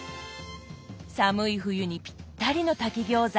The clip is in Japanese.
寒い冬にぴったりの炊き餃子。